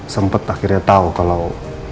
sempet akhirnya tau kalau